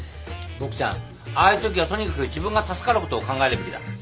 ボクちゃんああいうときはとにかく自分が助かることを考えるべきだ。